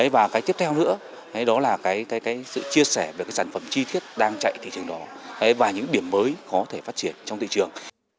và cái tiếp theo nữa đó là cái sự chia sẻ về cái sản phẩm chi tiết đang chạy thị trường đó và những điểm mới có thể phát triển trong thị trường